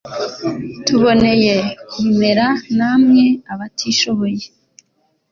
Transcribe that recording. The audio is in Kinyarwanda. tuboneye kurmera namwe abatishoboye